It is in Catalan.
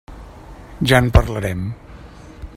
Ja en parlarem.